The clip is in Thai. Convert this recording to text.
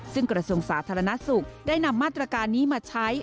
ซึ่งกระทรวงสาธารณสุขได้นำมาตรการนี้มาใช้